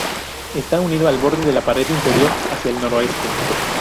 Está unido al borde de la pared interior hacia el noroeste.